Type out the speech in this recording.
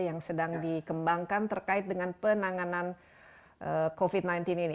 yang sedang dikembangkan terkait dengan penanganan covid sembilan belas ini